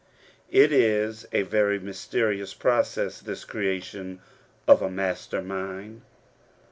It is a very mysterious process this creation of a master mind.